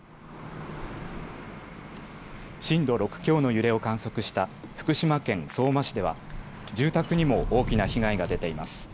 震度６強の揺れを観測した福島県相馬市では住宅にも大きな被害が出ています。